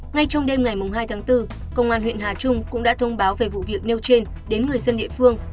ngay trong đêm ngày hai tháng bốn công an huyện hà trung cũng đã thông báo về vụ việc nêu trên đến người dân địa phương